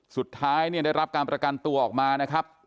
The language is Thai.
สุดท้ายเนี่ยได้รับการประกันตัวออกมานะครับ